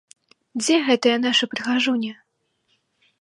Дзе гэтыя нашы прыгажуні?